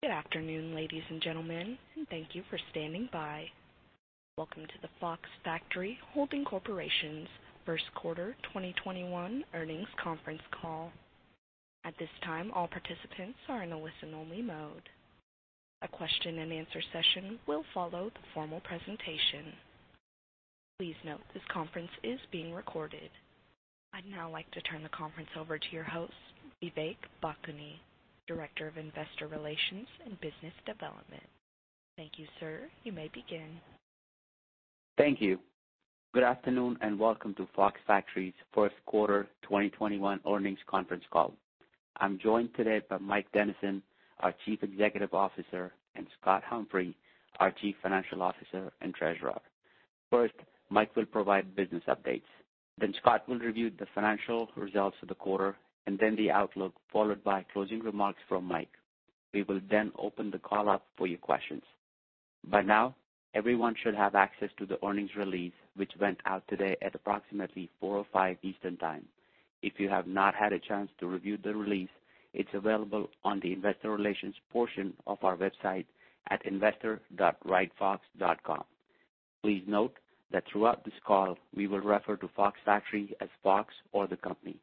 Good afternoon, ladies and gentlemen, and thank you for standing by. Welcome to the Fox Factory Holding Corporation's first quarter 2021 earnings conference call. At this time, all participants are in a listen-only mode. A question and answer session will follow the formal presentation. Please note this conference is being recorded. I'd now like to turn the conference over to your host, Vivek Bhakuni, Director of Investor Relations and Business Development. Thank you, sir. You may begin. Thank you. Good afternoon, and welcome to Fox Factory's first quarter 2021 earnings conference call. I am joined today by Mike Dennison, our Chief Executive Officer, and Scott Humphrey, our Chief Financial Officer and Treasurer. First, Mike will provide business updates. Scott will then review the financial results of the quarter, and the outlook, followed by closing remarks from Mike. We will then open the call up for your questions. By now, everyone should have access to the earnings release, which went out today at approximately 4:05 P.M. Eastern Time. If you have not had a chance to review the release, it is available on the investor relations portion of our website at investor.ridefox.com. Please note that throughout this call, we will refer to Fox Factory as Fox or the company.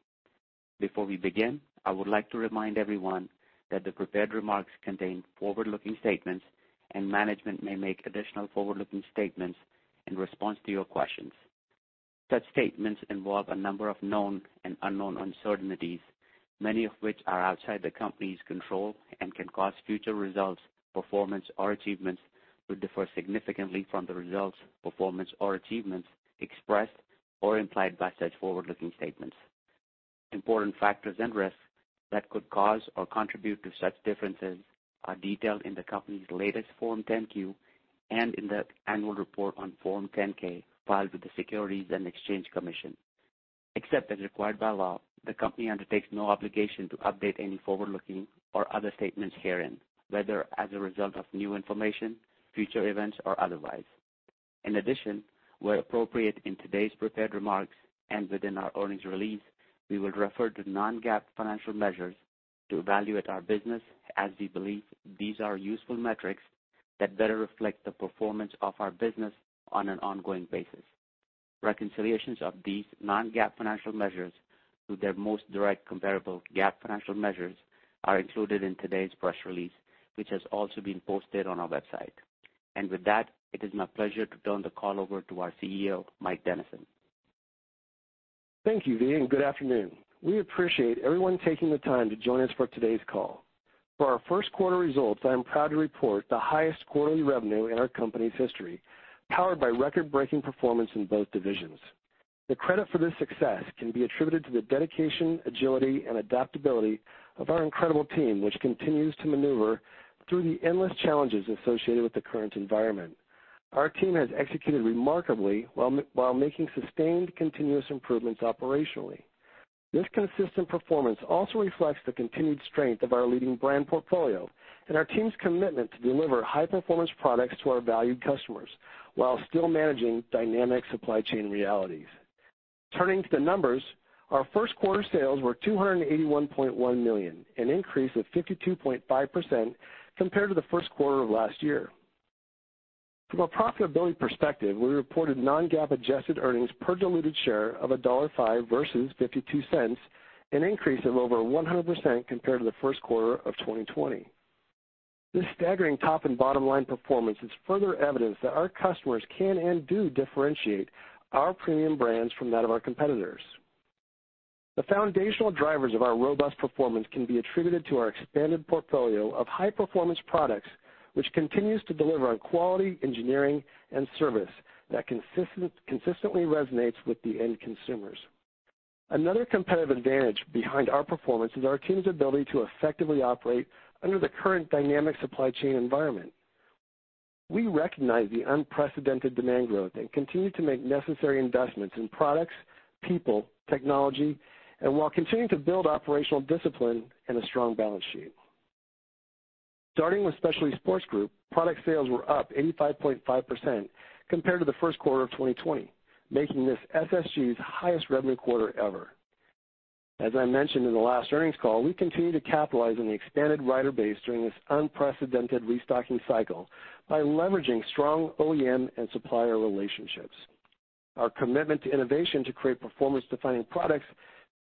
Before we begin, I would like to remind everyone that the prepared remarks contain forward-looking statements, and management may make additional forward-looking statements in response to your questions. Such statements involve a number of known and unknown uncertainties, many of which are outside the company's control and can cause future results, performance, or achievements to differ significantly from the results, performance, or achievements expressed or implied by such forward-looking statements. Important factors and risks that could cause or contribute to such differences are detailed in the company's latest Form 10-Q and in the annual report on Form 10-K filed with the Securities and Exchange Commission. Except as required by law, the company undertakes no obligation to update any forward-looking or other statements herein, whether as a result of new information, future events, or otherwise. In addition, where appropriate in today's prepared remarks and within our earnings release, we will refer to non-GAAP financial measures to evaluate our business as we believe these are useful metrics that better reflect the performance of our business on an ongoing basis. Reconciliations of these non-GAAP financial measures to their most direct comparable GAAP financial measures are included in today's press release, which has also been posted on our website. With that, it is my pleasure to turn the call over to our CEO, Mike Dennison. Thank you, V. Good afternoon. We appreciate everyone taking the time to join us for today's call. For our first quarter results, I am proud to report the highest quarterly revenue in our company's history, powered by record-breaking performance in both divisions. The credit for this success can be attributed to the dedication, agility, and adaptability of our incredible team, which continues to maneuver through the endless challenges associated with the current environment. Our team has executed remarkably while making sustained, continuous improvements operationally. This consistent performance also reflects the continued strength of our leading brand portfolio and our team's commitment to deliver high-performance products to our valued customers while still managing dynamic supply chain realities. Turning to the numbers, our first quarter sales were $281.1 million, an increase of 52.5% compared to the first quarter of last year. From a profitability perspective, we reported non-GAAP adjusted earnings per diluted share of $1.05 versus $0.52, an increase of over 100% compared to the first quarter of 2020. This staggering top and bottom line performance is further evidence that our customers can and do differentiate our premium brands from that of our competitors. The foundational drivers of our robust performance can be attributed to our expanded portfolio of high-performance products, which continues to deliver on quality, engineering, and service that consistently resonates with the end consumers. Another competitive advantage behind our performance is our team's ability to effectively operate under the current dynamic supply chain environment. We recognize the unprecedented demand growth and continue to make necessary investments in products, people, technology, and while continuing to build operational discipline and a strong balance sheet. Starting with Specialty Sports Group, product sales were up 85.5% compared to the first quarter of 2020, making this SSG's highest revenue quarter ever. As I mentioned in the last earnings call, we continue to capitalize on the expanded rider base during this unprecedented restocking cycle by leveraging strong OEM and supplier relationships. Our commitment to innovation to create performance-defining products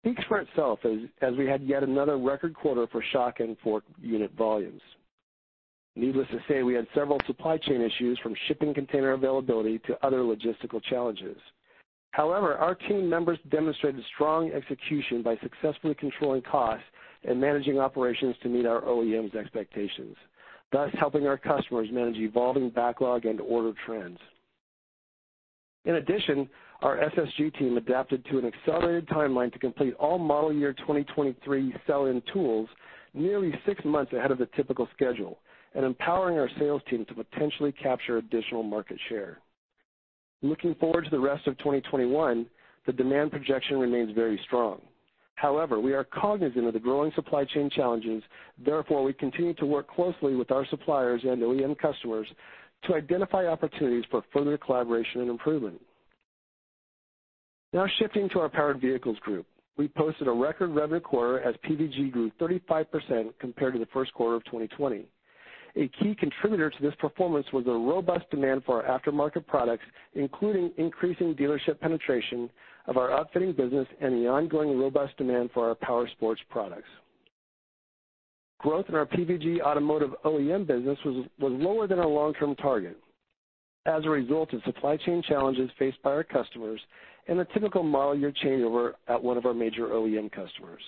speaks for itself as we had yet another record quarter for shock and fork unit volumes. Needless to say, we had several supply chain issues from shipping container availability to other logistical challenges. Our team members demonstrated strong execution by successfully controlling costs and managing operations to meet our OEM's expectations, thus helping our customers manage evolving backlog and order trends. In addition, our SSG team adapted to an accelerated timeline to complete all model year 2023 sell-in tools nearly six months ahead of the typical schedule and empowering our sales team to potentially capture additional market share. Looking forward to the rest of 2021, the demand projection remains very strong. However, we are cognizant of the growing supply chain challenges. Therefore, we continue to work closely with our suppliers and OEM customers to identify opportunities for further collaboration and improvement. Now shifting to our Powered Vehicles Group. We posted a record revenue quarter as PVG grew 35% compared to the first quarter of 2020. A key contributor to this performance was a robust demand for our aftermarket products, including increasing dealership penetration of our upfitting business and the ongoing robust demand for our powersports products. Growth in our PVG automotive OEM business was lower than our long-term target as a result of supply chain challenges faced by our customers and the typical model year changeover at one of our major OEM customers.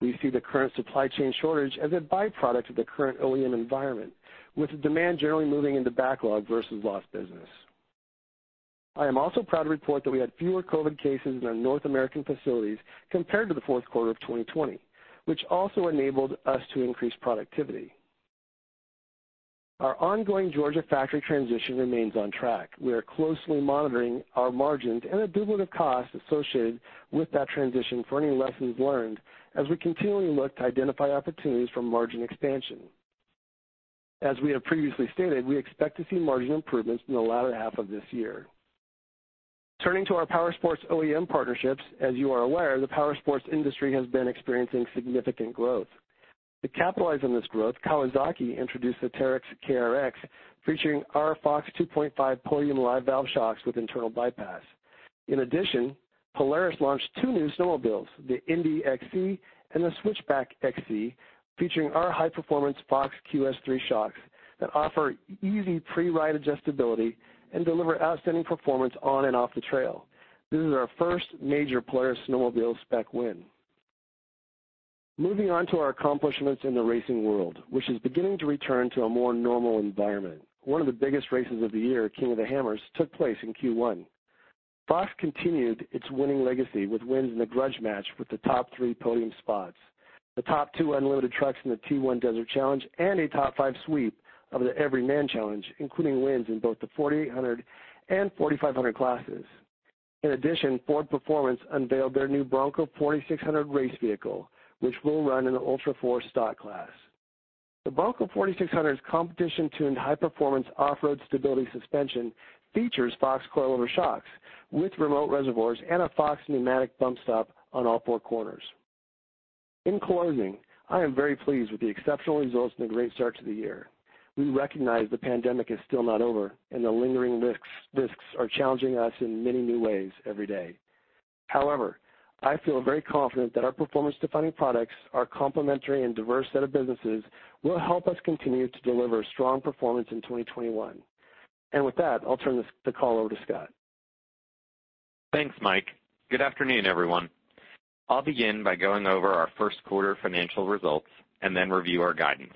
We see the current supply chain shortage as a byproduct of the current OEM environment, with the demand generally moving into backlog versus lost business. I am also proud to report that we had fewer COVID cases in our North American facilities compared to the fourth quarter of 2020, which also enabled us to increase productivity. Our ongoing Georgia factory transition remains on track. We are closely monitoring our margins and the duplicative costs associated with that transition for any lessons learned as we continually look to identify opportunities for margin expansion. As we have previously stated, we expect to see margin improvements in the latter half of this year. Turning to our powersports OEM partnerships. As you are aware, the powersports industry has been experiencing significant growth. To capitalize on this growth, Kawasaki introduced the Teryx KRX, featuring our FOX 2.5 Podium Live Valve shocks with internal bypass. In addition, Polaris launched two new snowmobiles, the Indy XC and the Switchback XC, featuring our high-performance FOX QS3 shocks that offer easy pre-ride adjustability and deliver outstanding performance on and off the trail. This is our first major Polaris snowmobile spec win. Moving on to our accomplishments in the racing world, which is beginning to return to a more normal environment. One of the biggest races of the year, King of the Hammers, took place in Q1. Fox continued its winning legacy with wins in the grudge match with the top three podium spots, the top two unlimited trucks in the T1 Desert Challenge, and a top five sweep of the Every Man Challenge, including wins in both the 4800 and 4500 classes. In addition, Ford Performance unveiled their new Bronco 4600 race vehicle, which will run in the Ultra4 Stock class. The Bronco 4600's competition-tuned, high-performance, off-road stability suspension features FOX coil-over shocks with remote reservoirs and a FOX pneumatic bump stop on all four corners. In closing, I am very pleased with the exceptional results and the great start to the year. We recognize the pandemic is still not over, and the lingering risks are challenging us in many new ways every day. However, I feel very confident that our performance-defining products, our complementary and diverse set of businesses, will help us continue to deliver strong performance in 2021. With that, I'll turn the call over to Scott. Thanks, Mike. Good afternoon, everyone. I'll begin by going over our first quarter financial results and then review our guidance.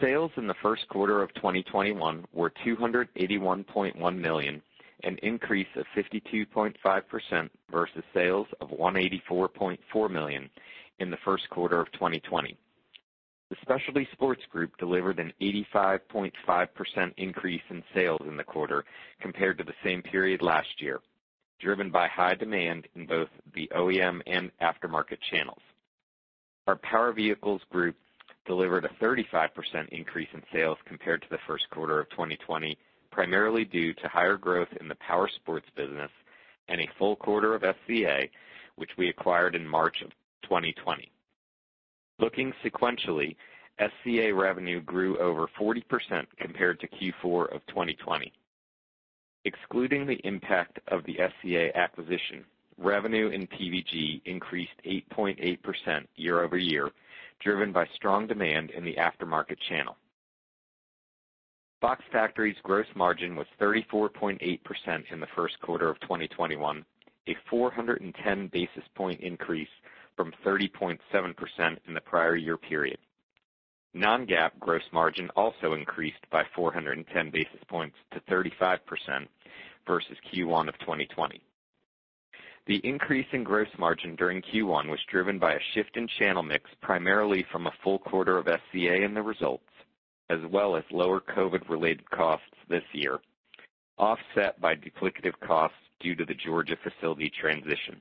Sales in the first quarter of 2021 were $281.1 million, an increase of 52.5% versus sales of $184.4 million in the first quarter of 2020. The Specialty Sports Group delivered an 85.5% increase in sales in the quarter compared to the same period last year, driven by high demand in both the OEM and aftermarket channels. Our Powered Vehicles Group delivered a 35% increase in sales compared to the first quarter of 2020, primarily due to higher growth in the powersports business and a full quarter of SCA, which we acquired in March of 2020. Looking sequentially, SCA revenue grew over 40% compared to Q4 of 2020. Excluding the impact of the SCA acquisition, revenue in PVG increased 8.8% year-over-year, driven by strong demand in the aftermarket channel. Fox Factory's gross margin was 34.8% in the first quarter of 2021, a 410 basis point increase from 30.7% in the prior year period. Non-GAAP gross margin also increased by 410 basis points to 35% versus Q1 of 2020. The increase in gross margin during Q1 was driven by a shift in channel mix, primarily from a full quarter of SCA in the results, as well as lower COVID-related costs this year, offset by duplicative costs due to the Georgia facility transition.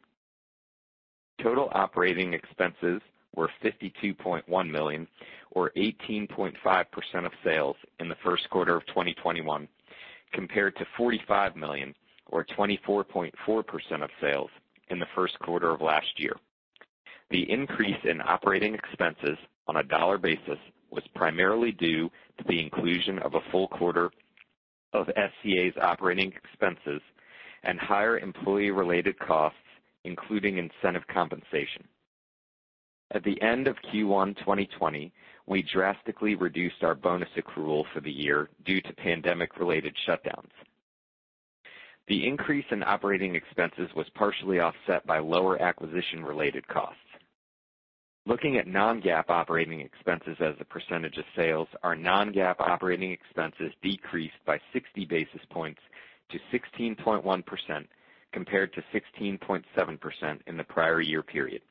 Total operating expenses were $52.1 million, or 18.5% of sales in the first quarter of 2021, compared to $45 million, or 24.4% of sales, in the first quarter of last year. The increase in operating expenses on a dollar basis was primarily due to the inclusion of a full quarter of SCA's operating expenses and higher employee-related costs, including incentive compensation. At the end of Q1 2020, we drastically reduced our bonus accrual for the year due to pandemic-related shutdowns. The increase in operating expenses was partially offset by lower acquisition-related costs. Looking at non-GAAP operating expenses as a percentage of sales, our non-GAAP operating expenses decreased by 60 basis points to 16.1%, compared to 16.7% in the prior year period.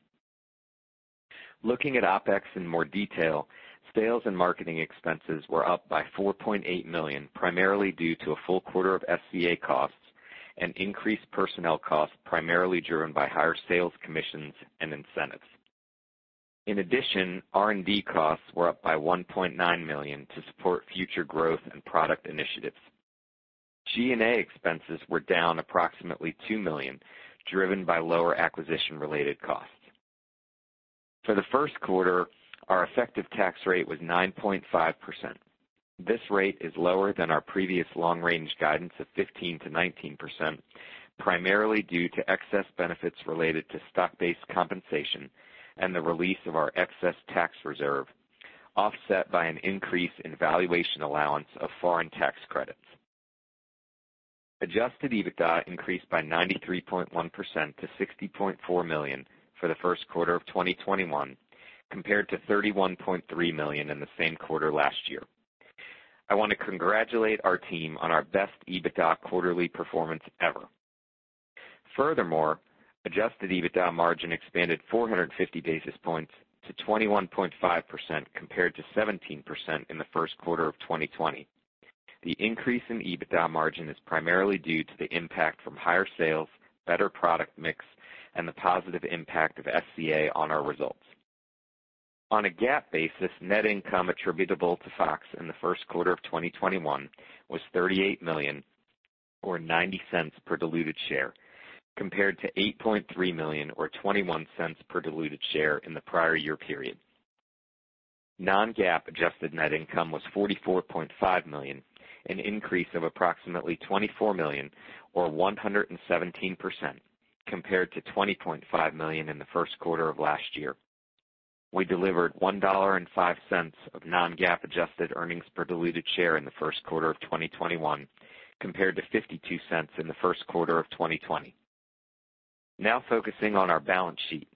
Looking at OpEx in more detail, sales and marketing expenses were up by $4.8 million, primarily due to a full quarter of SCA costs and increased personnel costs, primarily driven by higher sales commissions and incentives. R&D costs were up by $1.9 million to support future growth and product initiatives. G&A expenses were down approximately $2 million, driven by lower acquisition-related costs. For the first quarter, our effective tax rate was 9.5%. This rate is lower than our previous long-range guidance of 15%-19%, primarily due to excess benefits related to stock-based compensation and the release of our excess tax reserve, offset by an increase in valuation allowance of foreign tax credits. Adjusted EBITDA increased by 93.1% to $60.4 million for the first quarter of 2021, compared to $31.3 million in the same quarter last year. I want to congratulate our team on our best EBITDA quarterly performance ever. Furthermore, adjusted EBITDA margin expanded 450 basis points to 21.5%, compared to 17% in the first quarter of 2020. The increase in EBITDA margin is primarily due to the impact from higher sales, better product mix, and the positive impact of SCA on our results. On a GAAP basis, net income attributable to Fox in the first quarter of 2021 was $38 million, or $0.90 per diluted share, compared to $8.3 million or $0.21 per diluted share in the prior year period. Non-GAAP adjusted net income was $44.5 million, an increase of approximately $24 million or 117%, compared to $20.5 million in the first quarter of last year. We delivered $1.05 of non-GAAP adjusted earnings per diluted share in the first quarter of 2021 compared to $0.52 in the first quarter of 2020. Focusing on our balance sheet.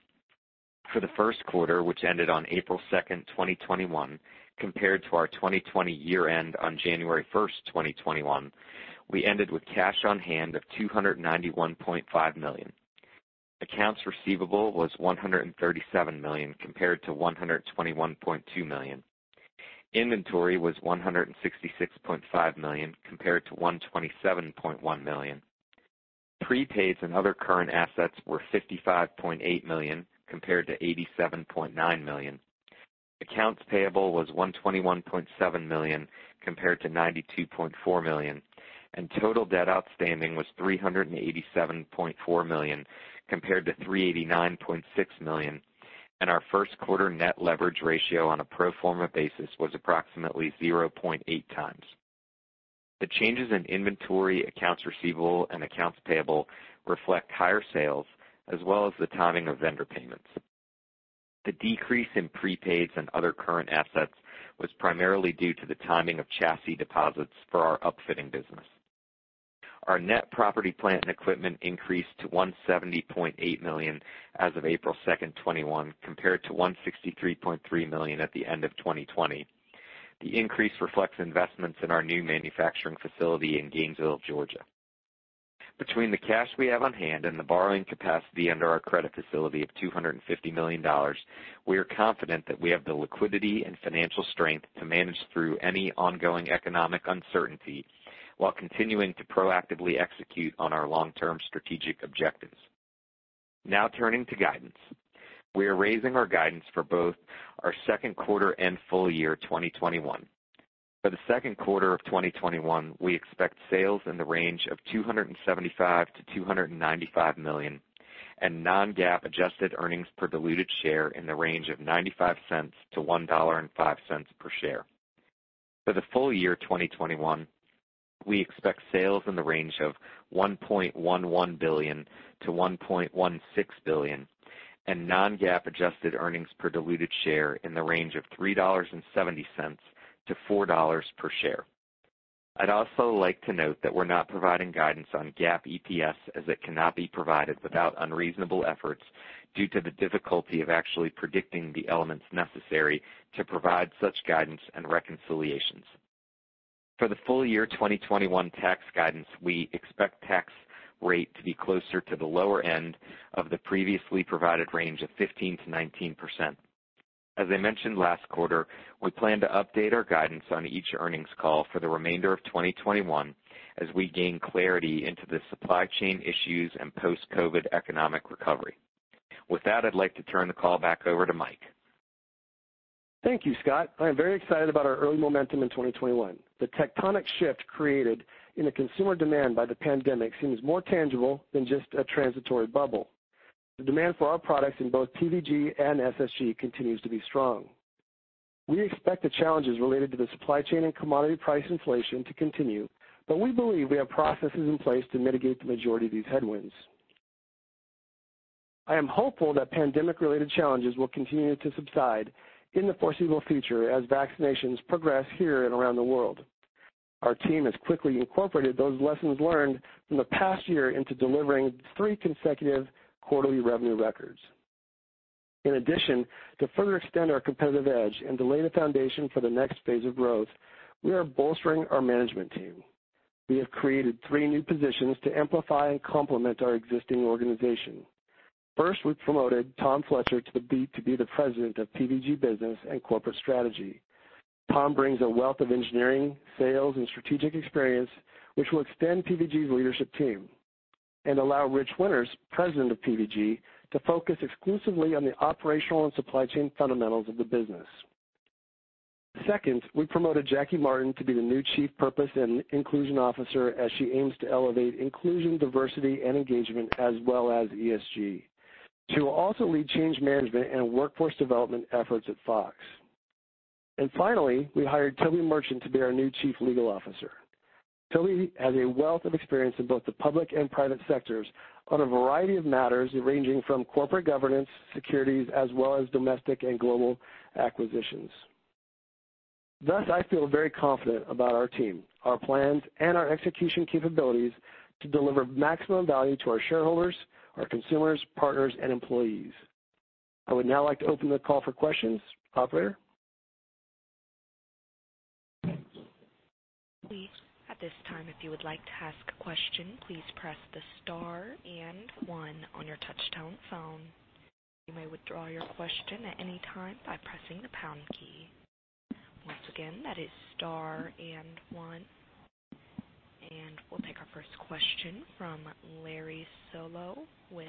For the first quarter, which ended on April 2nd, 2021, compared to our 2020 year-end on January 1st, 2021, we ended with cash on hand of $291.5 million. Accounts receivable was $137 million compared to $121.2 million. Inventory was $166.5 million, compared to $127.1 million. Prepaids and other current assets were $55.8 million, compared to $87.9 million. Accounts payable was $121.7 million, compared to $92.4 million. Total debt outstanding was $387.4 million, compared to $389.6 million. Our first quarter net leverage ratio on a pro forma basis was approximately 0.8x. The changes in inventory, accounts receivable, and accounts payable reflect higher sales, as well as the timing of vendor payments. The decrease in prepaids and other current assets was primarily due to the timing of chassis deposits for our upfitting business. Our net property plant and equipment increased to $170.8 million as of April 2nd, 2021, compared to $163.3 million at the end of 2020. The increase reflects investments in our new manufacturing facility in Gainesville, Georgia. Between the cash we have on hand and the borrowing capacity under our credit facility of $250 million, we are confident that we have the liquidity and financial strength to manage through any ongoing economic uncertainty while continuing to proactively execute on our long-term strategic objectives. Turning to guidance. We are raising our guidance for both our second quarter and full year 2021. For the second quarter of 2021, we expect sales in the range of $275 million-$295 million and non-GAAP adjusted earnings per diluted share in the range of $0.95-$1.05 per share. For the full year 2021, we expect sales in the range of $1.11 billion-$1.16 billion and non-GAAP adjusted earnings per diluted share in the range of $3.70-$4.00 per share. I'd also like to note that we're not providing guidance on GAAP EPS as it cannot be provided without unreasonable efforts due to the difficulty of actually predicting the elements necessary to provide such guidance and reconciliations. For the full year 2021 tax guidance, we expect tax rate to be closer to the lower end of the previously provided range of 15%-19%. As I mentioned last quarter, we plan to update our guidance on each earnings call for the remainder of 2021 as we gain clarity into the supply chain issues and post-COVID economic recovery. With that, I'd like to turn the call back over to Mike. Thank you, Scott. I am very excited about our early momentum in 2021. The tectonic shift created in the consumer demand by the pandemic seems more tangible than just a transitory bubble. The demand for our products in both PVG and SSG continues to be strong. We expect the challenges related to the supply chain and commodity price inflation to continue, but we believe we have processes in place to mitigate the majority of these headwinds. I am hopeful that pandemic-related challenges will continue to subside in the foreseeable future as vaccinations progress here and around the world. Our team has quickly incorporated those lessons learned from the past year into delivering three consecutive quarterly revenue records. In addition, to further extend our competitive edge and to lay the foundation for the next phase of growth, we are bolstering our management team. We have created three new positions to amplify and complement our existing organization. First, we've promoted Tom Fletcher to be the President of PVG Business and Corporate Strategy. Tom brings a wealth of engineering, sales, and strategic experience, which will extend PVG's leadership team. allow Rich Winters, President of PVG, to focus exclusively on the operational and supply chain fundamentals of the business. Second, we promoted Jackie Martin to be the new Chief Purpose and Inclusion Officer as she aims to elevate inclusion, diversity, and engagement, as well as ESG. She will also lead change management and workforce development efforts at Fox. Finally, we hired Toby Merchant to be our new Chief Legal Officer. Toby has a wealth of experience in both the public and private sectors on a variety of matters, ranging from corporate governance, securities, as well as domestic and global acquisitions. I feel very confident about our team, our plans, and our execution capabilities to deliver maximum value to our shareholders, our consumers, partners, and employees. I would now like to open the call for questions. Operator? We'll take our first question from Larry Solow with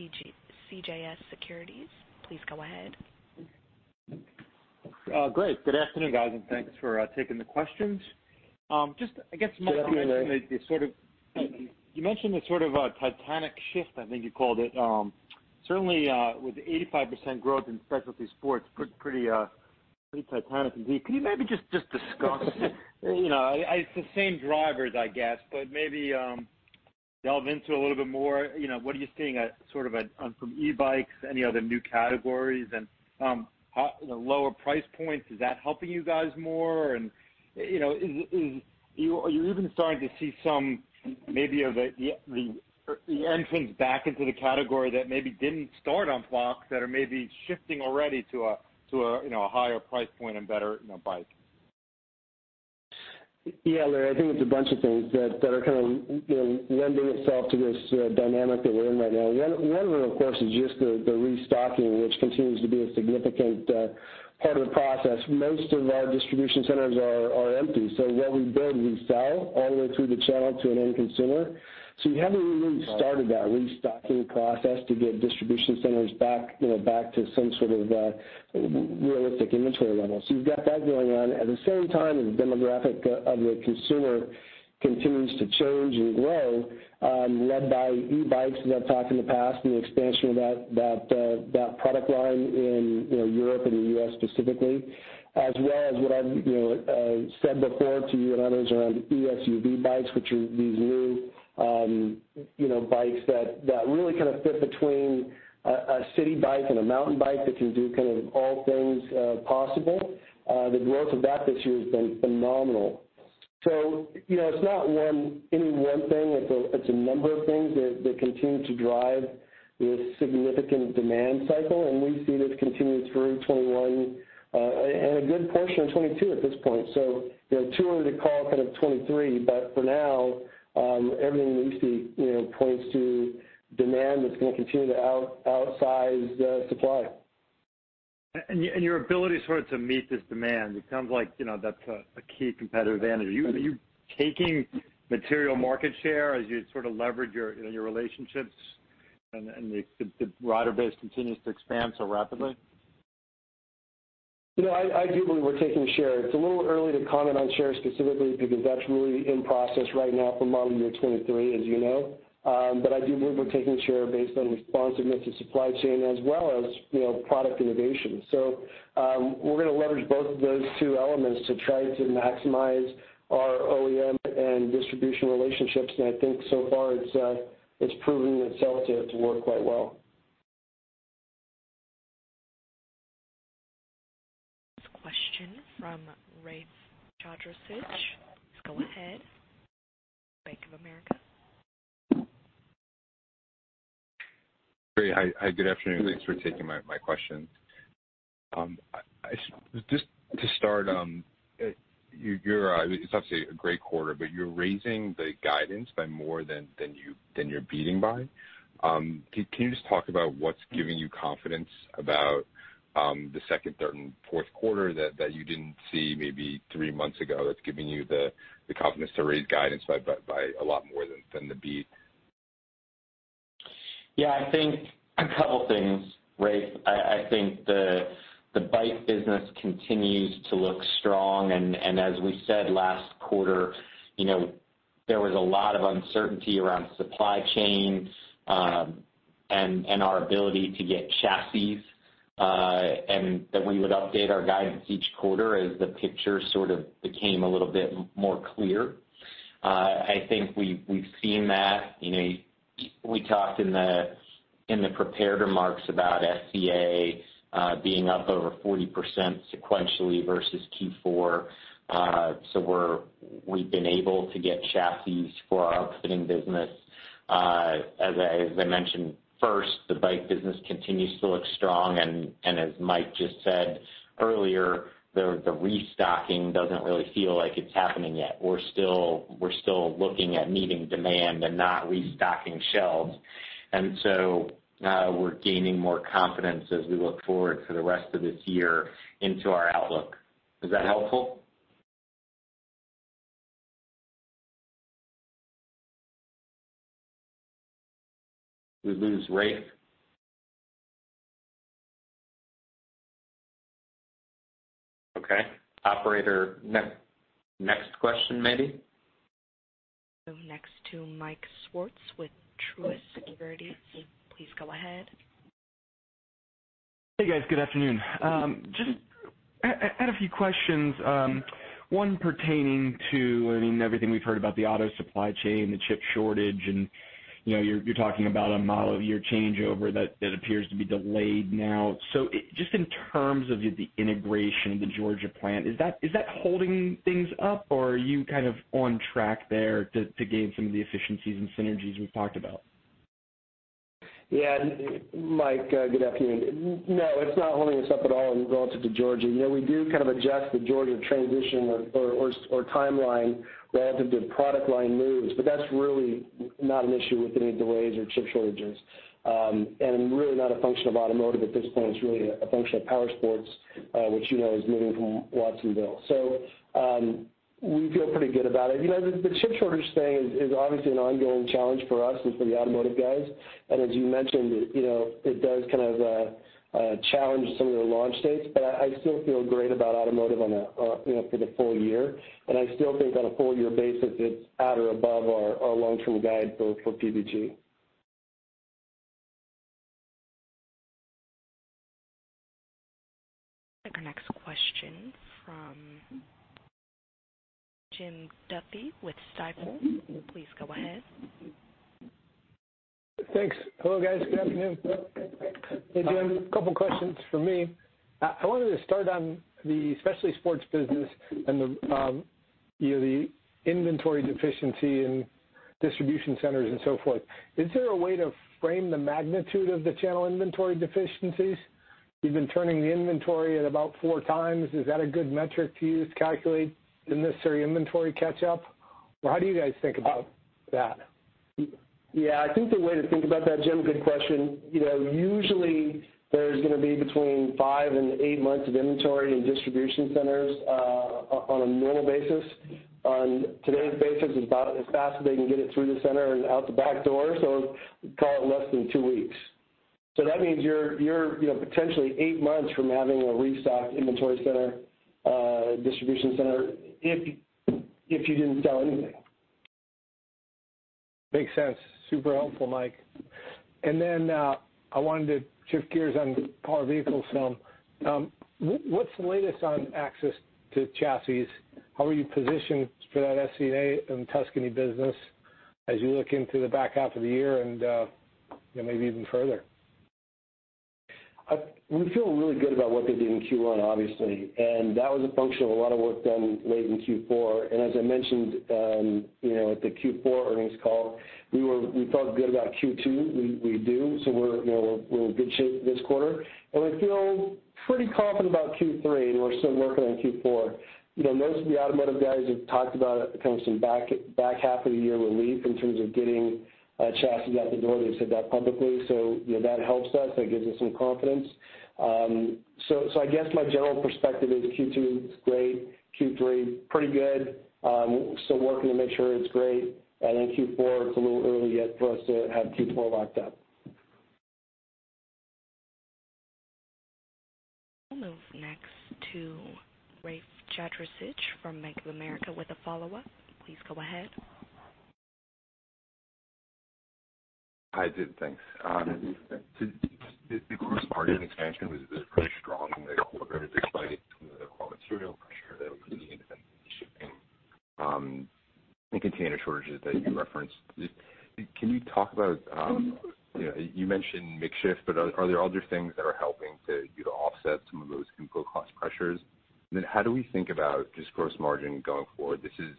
CJS Securities. Please go ahead. Great. Good afternoon, guys, and thanks for taking the questions. Just, I guess. Good afternoon, Larry. You mentioned the sort of a titanic shift, I think you called it. Certainly, with 85% growth in Specialty Sports, pretty titanic indeed. Can you maybe just discuss? It's the same drivers, I guess, but maybe delve into a little bit more, what are you seeing from e-bikes, any other new categories and the lower price points? Is that helping you guys more? Are you even starting to see some maybe of the entrance back into the category that maybe didn't start on Fox that are maybe shifting already to a higher price point and better bike? Yeah, Larry, I think it's a bunch of things that are kind of lending itself to this dynamic that we're in right now. One of them, of course, is just the restocking, which continues to be a significant part of the process. Most of our distribution centers are empty, so what we build, we sell all the way through the channel to an end consumer. You haven't really started that restocking process to get distribution centers back to some sort of realistic inventory level. You've got that going on. At the same time, the demographic of the consumer continues to change and grow, led by e-bikes, as I've talked in the past, and the expansion of that product line in Europe and the U.S. specifically, as well as what I've said before to you and others around e-SUV bikes, which are these new bikes that really kind of fit between a city bike and a mountain bike that can do kind of all things possible. The growth of that this year has been phenomenal. It's not any one thing. It's a number of things that continue to drive this significant demand cycle, and we see this continuing through 2021, and a good portion of 2022 at this point. Too early to call kind of 2023, but for now, everything we see points to demand that's going to continue to outsize supply. Your ability to meet this demand, it sounds like that's a key competitive advantage. Are you taking material market share as you leverage your relationships and the rider base continues to expand so rapidly? I do believe we're taking share. It's a little early to comment on share specifically because that's really in process right now for model year 2023, as you know. I do believe we're taking share based on responsiveness of supply chain as well as product innovation. We're going to leverage both of those two elements to try to maximize our OEM and distribution relationships, and I think so far it's proving itself to work quite well. Next question from Rafe Jadrosich. Please go ahead. Bank of America. Rafe, hi. Good afternoon. Thanks for taking my question. Just to start, it's obviously a great quarter. You're raising the guidance by more than you're beating by. Can you just talk about what's giving you confidence about the second, third, and fourth quarter that you didn't see maybe three months ago that's giving you the confidence to raise guidance by a lot more than the beat? I think a couple things, Rafe. I think the bike business continues to look strong, and as we said last quarter, there was a lot of uncertainty around supply chain and our ability to get chassis, and that we would update our guidance each quarter as the picture sort of became a little bit more clear. I think we've seen that. We talked in the prepared remarks about SCA being up over 40% sequentially versus Q4. We've been able to get chassis for our outfitting business. As I mentioned first, the bike business continues to look strong, and as Mike just said earlier, the restocking doesn't really feel like it's happening yet. We're still looking at meeting demand and not restocking shelves. We're gaining more confidence as we look forward to the rest of this year into our outlook. Is that helpful? We lose Rafe? Okay. Operator, next question, maybe. Next to Mike Swartz with Truist Securities. Please go ahead. Hey, guys. Good afternoon. Just had a few questions. One pertaining to everything we've heard about the auto supply chain, the chip shortage. You're talking about a model year changeover that appears to be delayed now. Just in terms of the integration of the Georgia plant, is that holding things up, or are you kind of on track there to gain some of the efficiencies and synergies we've talked about? Yeah. Mike, good afternoon. It's not holding us up at all relative to Georgia. We do kind of adjust the Georgia transition or timeline relative to product line moves. That's really not an issue with any delays or chip shortages. Really not a function of automotive at this point. It's really a function of powersports, which you know is moving from Watsonville. We feel pretty good about it. The chip shortage thing is obviously an ongoing challenge for us and for the automotive guys. As you mentioned, it does kind of challenge some of the launch dates. I still feel great about automotive for the full year, and I still think on a full year basis, it's at or above our long-term guide for PVG. Take our next question from Jim Duffy with Stifel. Please go ahead. Thanks. Hello, guys. Good afternoon. Hey, Jim. A couple questions from me. I wanted to start on the Specialty Sports Group and the inventory deficiency in distribution centers and so forth. Is there a way to frame the magnitude of the channel inventory deficiencies? You've been turning the inventory at about four times. Is that a good metric to use to calculate the necessary inventory catch-up? Or how do you guys think about that? I think the way to think about that, Jim Duffy, good question. Usually there's going to be between five and eight months of inventory in distribution centers on a normal basis. On today's basis, it's about as fast as they can get it through the center and out the back door. Call it less than two weeks. That means you're potentially eight months from having a restocked inventory center, distribution center, if you didn't sell anything. Makes sense. Super helpful, Mike. I wanted to shift gears on powered vehicles some. What's the latest on access to chassis? How are you positioned for that SCA and Tuscany business as you look into the back half of the year and maybe even further? We feel really good about what they did in Q1, obviously, and that was a function of a lot of work done late in Q4. As I mentioned at the Q4 earnings call, we felt good about Q2. We do. We're in good shape this quarter, and we feel pretty confident about Q3, and we're still working on Q4. Most of the automotive guys have talked about it becoming some back half of the year relief in terms of getting chassis out the door. They've said that publicly, so that helps us. That gives us some confidence. I guess my general perspective is Q2's great, Q3 pretty good, still working to make sure it's great. Q4, it's a little early yet for us to have Q4 locked up. I'll move next to Rafe Jadrosich from Bank of America with a follow-up. Please go ahead. Hi. Thanks. The gross margin expansion was pretty strong despite some of the raw material pressure that was in shipping and container shortages that you referenced. You mentioned mix shift, but are there other things that are helping you to offset some of those input cost pressures? How do we think about just gross margin going forward? This is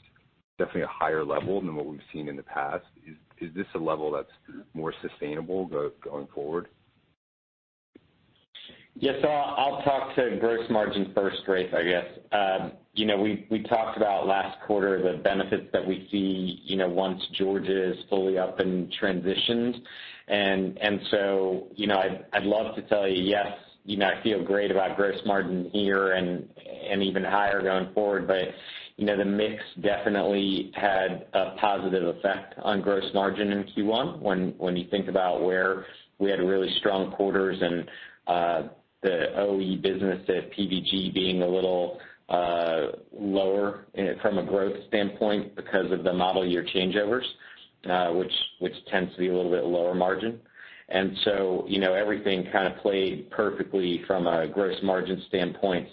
definitely a higher level than what we've seen in the past. Is this a level that's more sustainable going forward? Yes. I'll talk to gross margin first, Rafe, I guess. We talked about last quarter, the benefits that we see once Georgia is fully up and transitioned. I'd love to tell you, yes, I feel great about gross margin here and even higher going forward. The mix definitely had a positive effect on gross margin in Q1 when you think about where we had really strong quarters in the OE business, that PVG being a little lower from a growth standpoint because of the model year changeovers, which tends to be a little bit lower margin. Everything kind of played perfectly from a gross margin standpoint.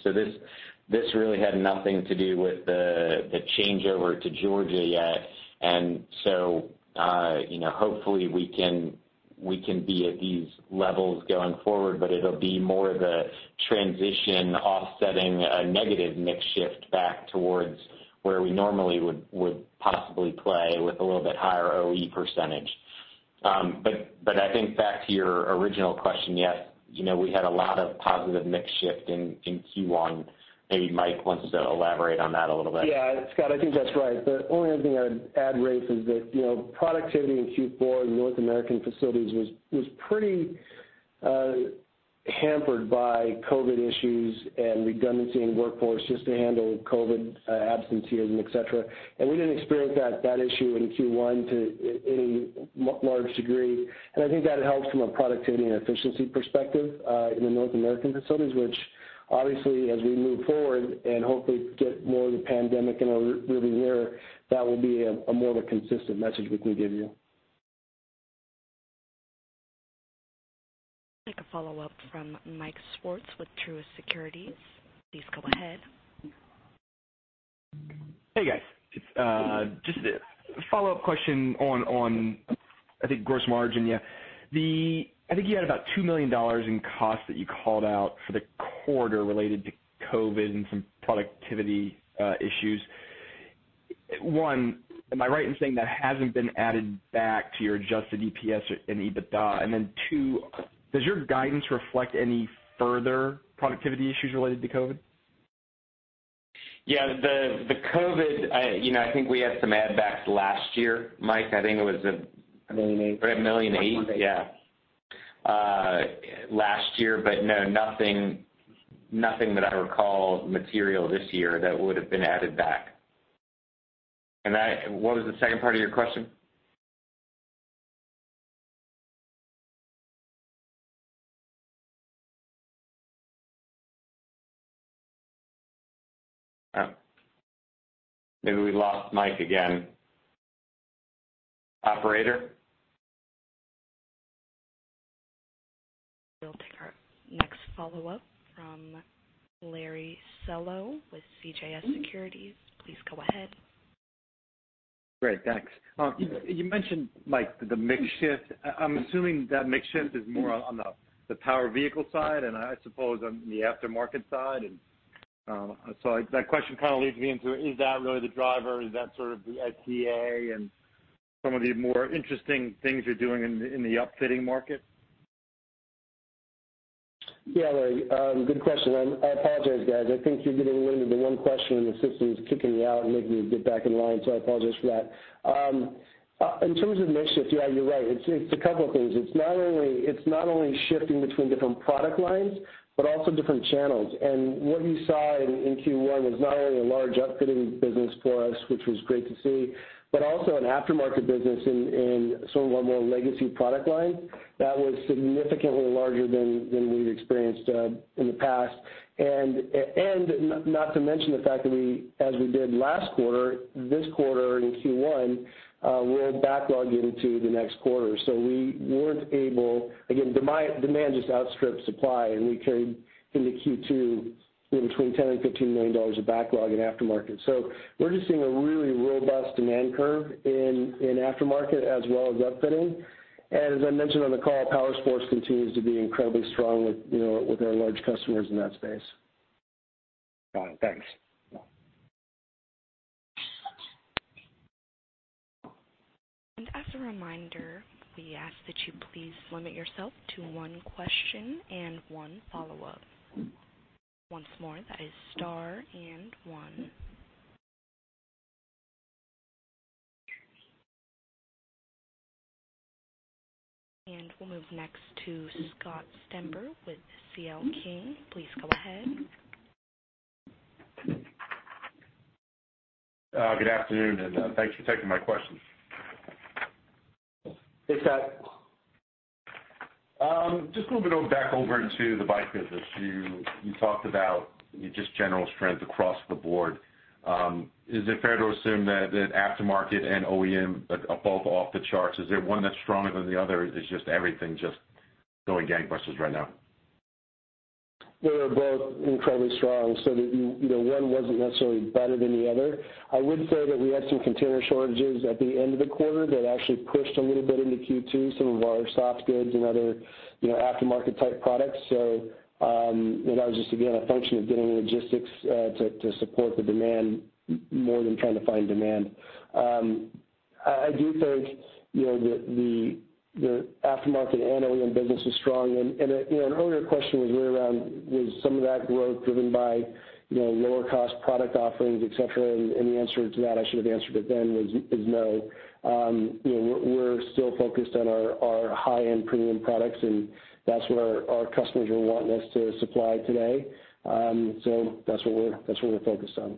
This really had nothing to do with the changeover to Georgia yet. Hopefully we can be at these levels going forward, but it'll be more the transition offsetting a negative mix shift back towards where we normally would possibly play with a little bit higher OE percentage. I think back to your original question, yes, we had a lot of positive mix shift in Q1. Maybe Mike wants to elaborate on that a little bit. Yeah, Scott, I think that's right. The only other thing I would add, Rafe, is that productivity in Q4 in North American facilities was pretty. Hampered by COVID issues and redundancy in workforce just to handle COVID, absenteeism, et cetera. We didn't experience that issue in Q1 to any large degree. I think that helps from a productivity and efficiency perspective, in the North American facilities, which obviously as we move forward and hopefully get more of the pandemic in our rearview mirror, that will be a more of a consistent message we can give you. Take a follow-up from Mike Swartz with Truist Securities. Please go ahead. Hey, guys. Just a follow-up question on, I think, gross margin. Yeah. I think you had about $2 million in costs that you called out for the quarter related to COVID and some productivity issues. One, am I right in saying that hasn't been added back to your adjusted EPS and EBITDA? Two, does your guidance reflect any further productivity issues related to COVID? Yeah. The COVID, I think we had some add backs last year, Mike. $1.8 million. $1.8 million. Yeah. Last year. No, nothing that I recall material this year that would've been added back. What was the second part of your question? Maybe we lost Mike again. Operator? We'll take our next follow-up from Larry Solow with CJS Securities. Please go ahead. Great. Thanks. You mentioned the mix shift. I'm assuming that mix shift is more on the power vehicle side and, I suppose, on the aftermarket side. That question kind of leads me into, is that really the driver? Is that sort of the SCA and some of the more interesting things you're doing in the upfitting market? Yeah, Larry. Good question. I apologize, guys. I think you're getting limited to one question, and the system is kicking me out and making me get back in line. I apologize for that. In terms of mix shift, yeah, you're right. It's a couple of things. It's not only shifting between different product lines, but also different channels. What you saw in Q1 was not only a large upfitting business for us, which was great to see, but also an aftermarket business in sort of our more legacy product line that was significantly larger than we've experienced in the past. Not to mention the fact that as we did last quarter, this quarter in Q1, we're backlogged into the next quarter. Again, demand just outstripped supply, and we came into Q2 with between $10 million and $15 million of backlog in aftermarket. We're just seeing a really robust demand curve in aftermarket as well as upfitting. As I mentioned on the call, powersports continues to be incredibly strong with our large customers in that space. Got it. Thanks. Yeah. As a reminder, we ask that you please limit yourself to one question and one follow-up. Once more, that is star and one. We'll move next to Scott Stember with C.L. King. Please go ahead. Good afternoon, and thanks for taking my questions. Hey, Scott. Just a little bit back over into the bike business. You talked about just general strength across the board. Is it fair to assume that aftermarket and OEM are both off the charts? Is there one that's stronger than the other? Is just everything just going gangbusters right now? They're both incredibly strong so that one wasn't necessarily better than the other. I would say that we had some container shortages at the end of the quarter that actually pushed a little bit into Q2, some of our soft goods and other aftermarket-type products. That was just, again, a function of getting the logistics to support the demand more than trying to find demand. An earlier question was really around, was some of that growth driven by lower cost product offerings, et cetera? The answer to that, I should have answered it then, is no. We're still focused on our high-end premium products, and that's what our customers are wanting us to supply today. That's what we're focused on.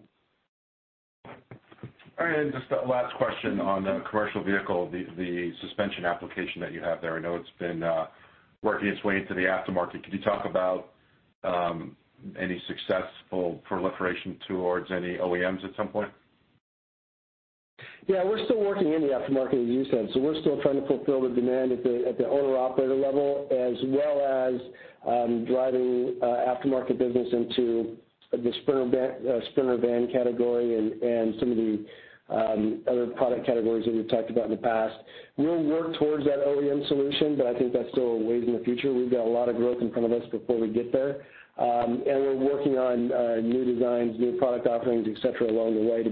All right. Just a last question on the commercial vehicle, the suspension application that you have there. I know it's been working its way into the aftermarket. Could you talk about any successful proliferation towards any OEMs at some point? Yeah. We're still working in the aftermarket with ZÜCA. We're still trying to fulfill the demand at the owner/operator level as well as driving aftermarket business into the Sprinter van category and some of the other product categories that we've talked about in the past. We'll work towards that OEM solution, I think that's still a ways in the future. We've got a lot of growth in front of us before we get there. We're working on new designs, new product offerings, et cetera, along the way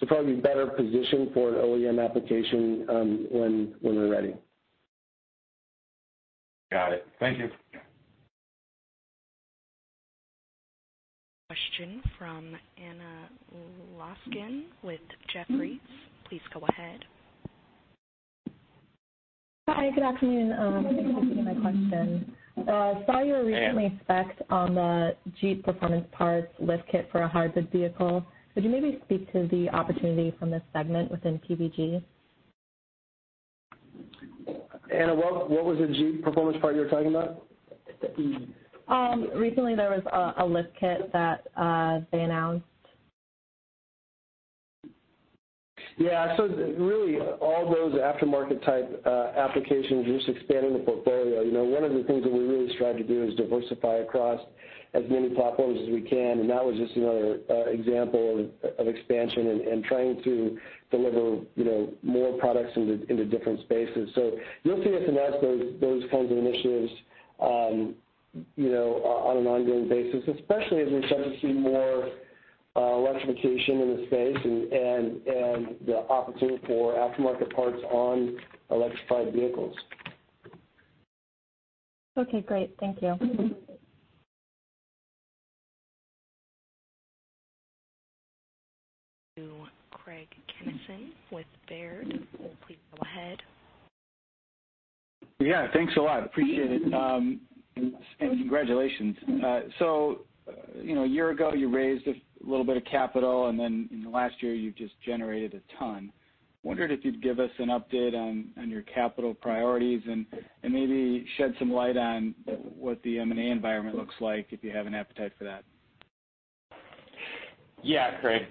to probably be better positioned for an OEM application when we're ready. Got it. Thank you. Question from Anna Glaessgen with Jefferies. Please go ahead. Hi. Good afternoon. Thanks for taking my question. I saw you recently spec'd on the Jeep performance parts lift kit for a hybrid vehicle. Could you maybe speak to the opportunity from this segment within PVG? Anna, what was the Jeep performance part you were talking about? Recently there was a lift kit that they announced. Yeah. Really all those aftermarket type applications are just expanding the portfolio. One of the things that we really strive to do is diversify across as many platforms as we can, and that was just another example of expansion and trying to deliver more products into different spaces. You'll see us announce those kinds of initiatives on an ongoing basis, especially as we start to see more electrification in the space and the opportunity for aftermarket parts on electrified vehicles. Okay, great. Thank you. To Craig Kennison with Baird. Please go ahead. Yeah, thanks a lot. Appreciate it. Congratulations. A year ago you raised a little bit of capital, in the last year, you've just generated a ton. I wondered if you'd give us an update on your capital priorities and maybe shed some light on what the M&A environment looks like if you have an appetite for that. Craig,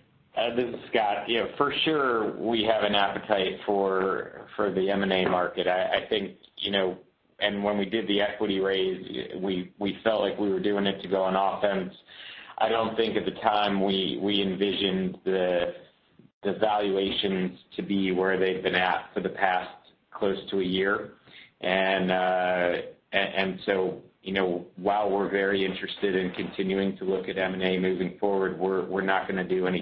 this is Scott. For sure we have an appetite for the M&A market. When we did the equity raise, we felt like we were doing it to go on offense. I don't think at the time we envisioned the valuations to be where they've been at for the past close to a year. While we're very interested in continuing to look at M&A moving forward, we're not going to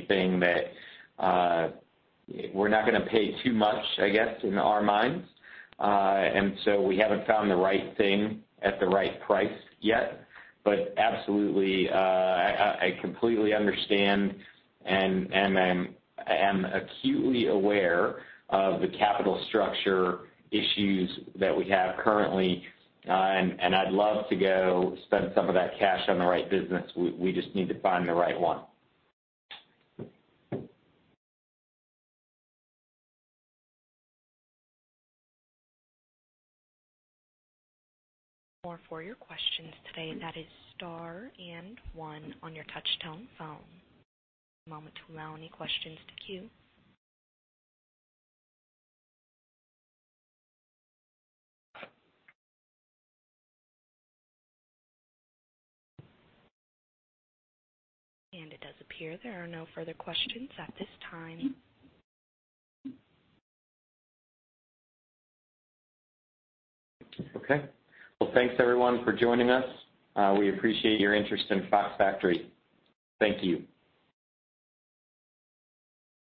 pay too much, I guess, in our minds. We haven't found the right thing at the right price yet. Absolutely, I completely understand and am acutely aware of the capital structure issues that we have currently, and I'd love to go spend some of that cash on the right business. We just need to find the right one. More for your questions today. That is star and one on your touch-tone phone. One moment to allow any questions to queue. And it does appear there are no further questions at this time. Well, thanks everyone for joining us. We appreciate your interest in Fox Factory. Thank you.